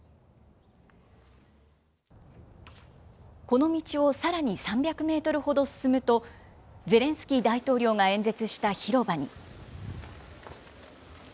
この道をさらに３００メートルほど進むと、ゼレンスキー大統領が演説した広場に。